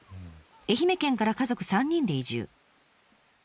愛媛県から家族３人で移住。